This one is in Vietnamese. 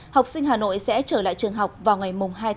học sinh hà nội sẽ trở lại trường học vào ngày hai ba